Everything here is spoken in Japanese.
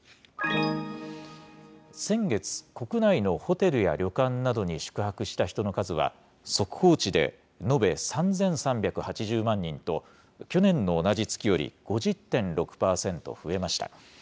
先月、国内のホテルや旅館などに宿泊した人の数は、速報値で延べ３３８０万人と、去年の同じ月より５０．６％増えました。